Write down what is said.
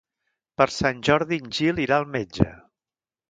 Per Sant Jordi en Gil irà al metge.